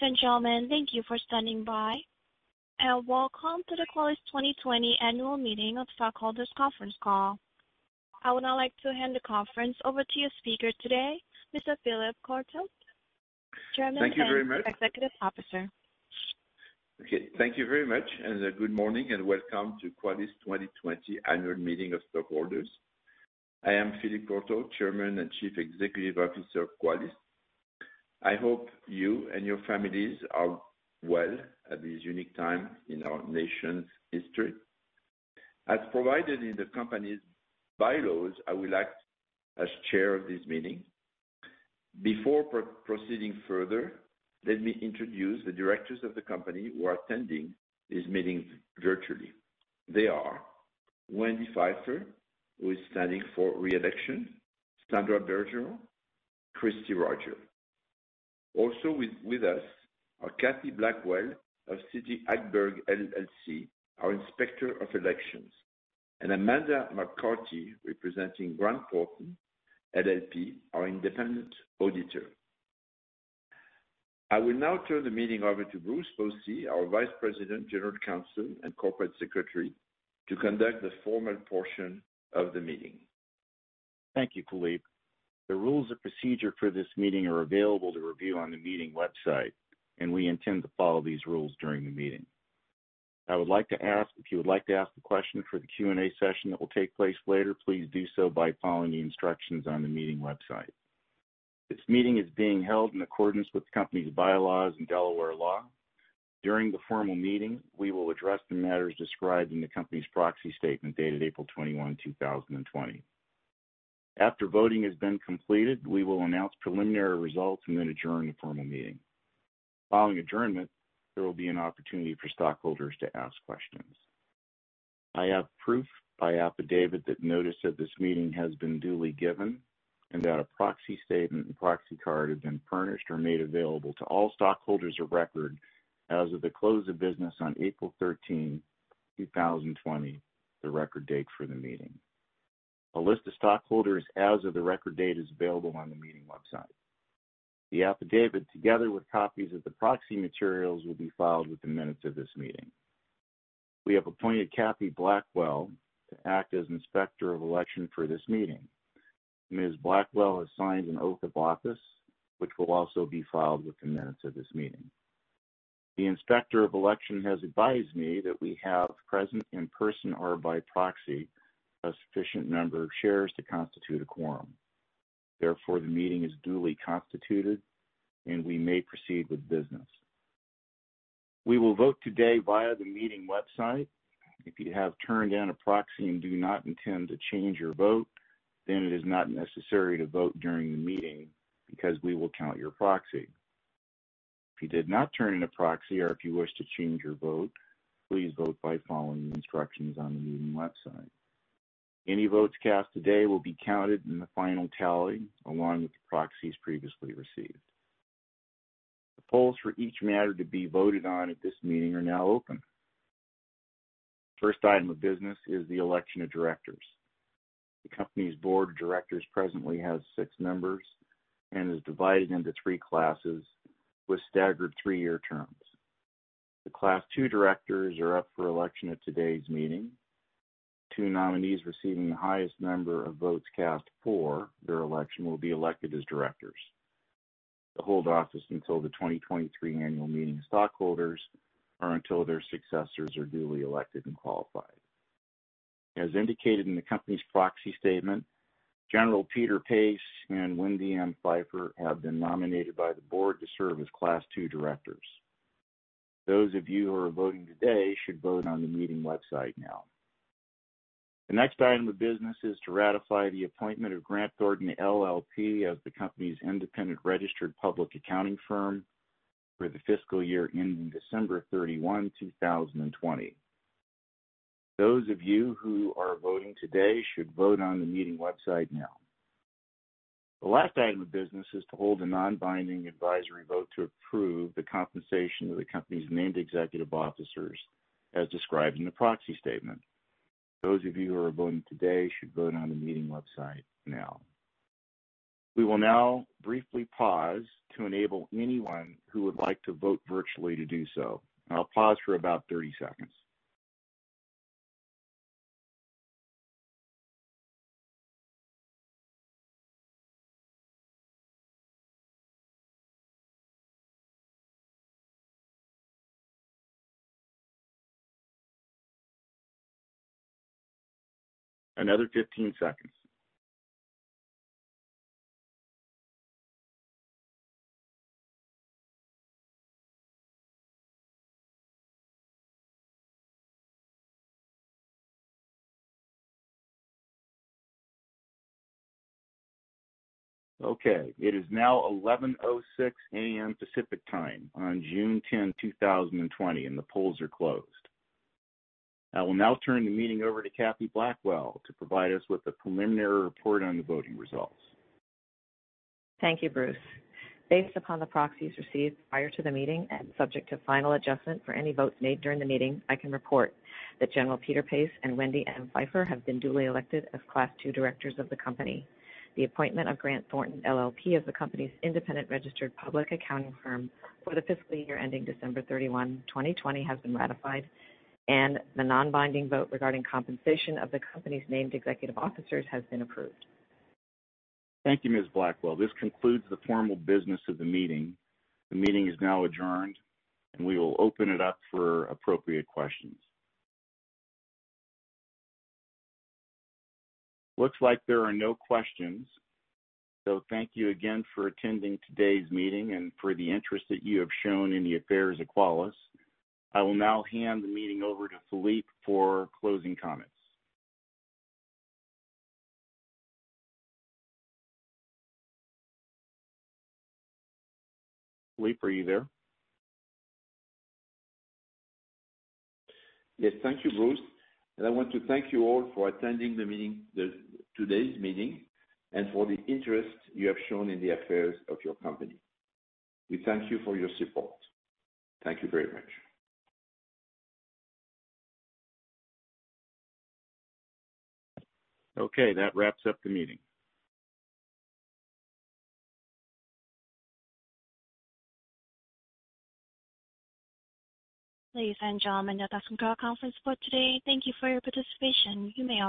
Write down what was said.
Ladies and gentlemen, thank you for standing by, and welcome to the Qualys 2020 annual meeting of stockholders conference call. I would now like to hand the conference over to your speaker today, Mr. Philippe Courtot. Thank you very much chairman and executive officer. Okay. Thank you very much, and good morning, and welcome to Qualys 2020 annual meeting of stockholders. I am Philippe Courtot, Chairman and Chief Executive Officer of Qualys. I hope you and your families are well at this unique time in our nation's history. As provided in the company's bylaws, I will act as chair of this meeting. Before proceeding further, let me introduce the directors of the company who are attending this meeting virtually. They are Wendy Pfeiffer, who is standing for reelection, Sandra Bergeron, Kristi Rogers. Also with us are Kathy Blackwell of CT Hagberg LLC, our Inspector of Elections, and Amanda McCarty, representing Grant Thornton LLP, our independent auditor. I will now turn the meeting over to Bruce Posey, our Vice President, General Counsel, and Corporate Secretary, to conduct the formal portion of the meeting. Thank you, Philippe. The rules of procedure for this meeting are available to review on the meeting website, and we intend to follow these rules during the meeting. I would like to ask, if you would like to ask a question for the Q&A session that will take place later, please do so by following the instructions on the meeting website. This meeting is being held in accordance with the company's bylaws and Delaware law. During the formal meeting, we will address the matters described in the company's proxy statement, dated April 21, 2020. After voting has been completed, we will announce preliminary results and then adjourn the formal meeting. Following adjournment, there will be an opportunity for stockholders to ask questions. I have proof by affidavit that notice of this meeting has been duly given and that a proxy statement and proxy card have been furnished or made available to all stockholders of record as of the close of business on April 13, 2020, the record date for the meeting. A list of stockholders as of the record date is available on the meeting website. The affidavit, together with copies of the proxy materials, will be filed with the minutes of this meeting. We have appointed Kathy Blackwell to act as Inspector of Election for this meeting. Ms. Blackwell has signed an oath of office, which will also be filed with the minutes of this meeting. The Inspector of Election has advised me that we have present, in person or by proxy, a sufficient number of shares to constitute a quorum. Therefore, the meeting is duly constituted, and we may proceed with business. We will vote today via the meeting website. If you have turned in a proxy and do not intend to change your vote, then it is not necessary to vote during the meeting because we will count your proxy. If you did not turn in a proxy or if you wish to change your vote, please vote by following the instructions on the meeting website. Any votes cast today will be counted in the final tally, along with the proxies previously received. The polls for each matter to be voted on at this meeting are now open. First item of business is the election of directors. The company's board of directors presently has six members and is divided into three classes with staggered three-year terms. The class 2 directors are up for election at today's meeting. Two nominees receiving the highest number of votes cast for their election will be elected as directors to hold office until the 2023 annual meeting of stockholders or until their successors are duly elected and qualified. As indicated in the company's proxy statement, General Peter Pace and Wendy M. Pfeiffer have been nominated by the board to serve as class 2 directors. Those of you who are voting today should vote on the meeting website now. The next item of business is to ratify the appointment of Grant Thornton LLP as the company's independent registered public accounting firm for the fiscal year ending December 31, 2020. Those of you who are voting today should vote on the meeting website now. The last item of business is to hold a non-binding advisory vote to approve the compensation of the company's named executive officers as described in the proxy statement. Those of you who are voting today should vote on the meeting website now. We will now briefly pause to enable anyone who would like to vote virtually to do so. I'll pause for about 30 seconds. Another 15 seconds. Okay. It is now 11:06 A.M. Pacific Time on June 10, 2020, and the polls are closed. I will now turn the meeting over to Kathy Blackwell to provide us with a preliminary report on the voting results. Thank you, Bruce. Based upon the proxies received prior to the meeting and subject to final adjustment for any votes made during the meeting, I can report that General Peter Pace and Wendy M. Pfeiffer have been duly elected as class 2 directors of the company. The appointment of Grant Thornton LLP as the company's independent registered public accounting firm for the fiscal year ending December 31, 2020, has been ratified, and the non-binding vote regarding compensation of the company's named executive officers has been approved. Thank you, Ms. Blackwell. This concludes the formal business of the meeting. The meeting is now adjourned, and we will open it up for appropriate questions. Looks like there are no questions, thank you again for attending today's meeting and for the interest that you have shown in the affairs of Qualys. I will now hand the meeting over to Philippe for closing comments. Philippe, are you there? Yes. Thank you, Bruce. I want to thank you all for attending today's meeting and for the interest you have shown in the affairs of your company. We thank you for your support. Thank you very much. Okay, that wraps up the meeting. Ladies and gentlemen, that concludes our conference for today. Thank you for your participation. You may all disconnect.